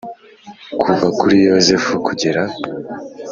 Kuva kuri Yozefu kugera